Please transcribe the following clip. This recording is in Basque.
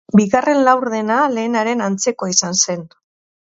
Bigarren laurdena lehenaren antzekoa izan zen.